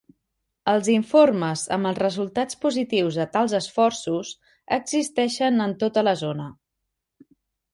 Els informes amb els resultats positius de tals esforços existeixen en tota la zona.